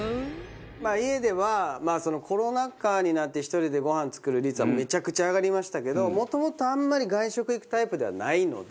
家ではコロナ禍になって１人でごはん作る率はめちゃくちゃ上がりましたけどもともとあんまり外食行くタイプではないので。